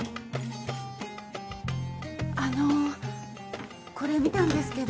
あのこれ見たんですけど。